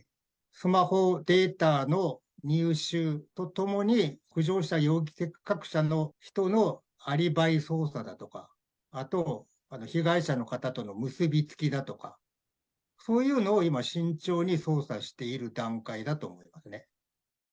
スマホデータの入手とともに、浮上した容疑の人のアリバイ捜査だとか、あと被害者の方との結び付きだとか、そういうのを今、慎重に捜査している段階だと思いますね。